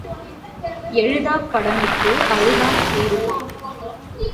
எழுதாக் கடனுக்கு அழுதால் தீருமா?